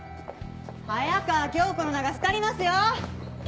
早川京子の名が廃りますよ！